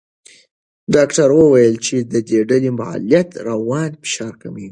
ډاکټره وویل چې د ډلې فعالیت رواني فشار کموي.